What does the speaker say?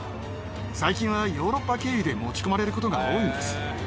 最近はヨーロッパ経由で持ち込まれることが多いんです。